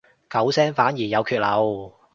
九聲反而有缺漏